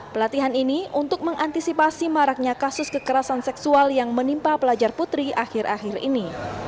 pelatihan ini untuk mengantisipasi maraknya kasus kekerasan seksual yang menimpa pelajar putri akhir akhir ini